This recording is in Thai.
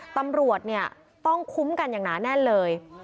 ตำรวจต้องคุ้มกันอย่างน้าแน่เลย